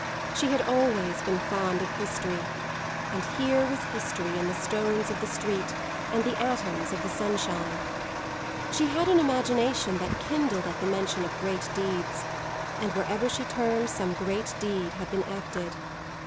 She had always been fond of history, and here was history in the stones of the street and the atoms of the sunshine. She had an imagination that kindled at the mention of great deeds, and wherever she turned some great deed had been acted.